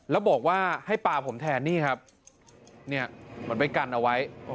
แล้วบอกว่าให้ปลาผมแทนนี่ครับมันไปกันเอาไว้